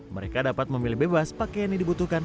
mereka dapat memilih bebas pakaian yang dibutuhkan